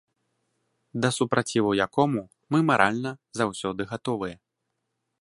Да супраціву якому мы маральна заўсёды гатовыя.